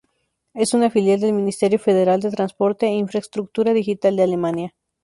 Es una filial del Ministerio Federal de Transporte e Infraestructura Digital de Alemania.